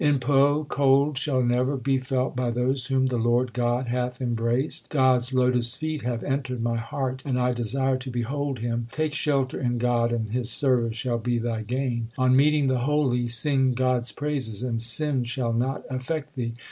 In Poh cold shall never be felt by those whom the Lord God hath embraced. God s lotus feet have entered my heart, and I desire to behold Him. Take shelter in God and His service shall be thy gain. HYMNS OF GURU ARJAN 129 On meeting the holy sing God s praises and sin shall not affect thee.